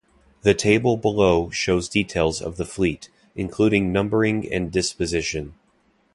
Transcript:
The table below shows details of the fleet, including numbering and disposition.